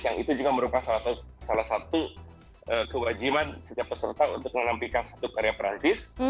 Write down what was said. yang itu juga merupakan salah satu kewajiban setiap peserta untuk menampilkan satu karya perancis